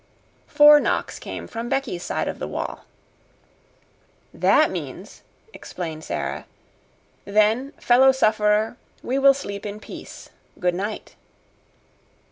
'" Four knocks came from Becky's side of the wall. "That means," explained Sara, "'Then, fellow sufferer, we will sleep in peace. Good night.'"